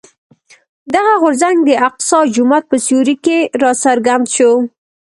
دغه غورځنګ د الاقصی جومات په سیوري کې راڅرګند شو.